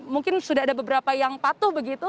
mungkin sudah ada beberapa yang patuh begitu